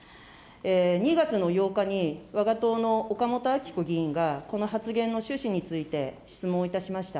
２月の８日にわが党のおかもとあきこ議員が、この発言の趣旨について質問いたしました。